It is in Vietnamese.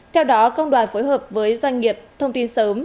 theo đó công đoàn phối hợp với doanh nghiệp thông tin sớm